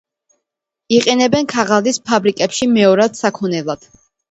იყენებენ ქაღალდის ფაბრიკებში მეორად საქონლად.